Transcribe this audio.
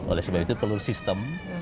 oleh sebab itu perlu sistem